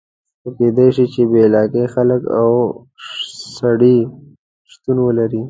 خو کېدای شي چې بې علاقې خلک او سړي شتون ولري.